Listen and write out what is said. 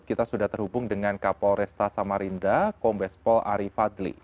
kita sudah terhubung dengan kapolresta samarinda kombespol ari fadli